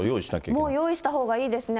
もう用意したほうがいいですね。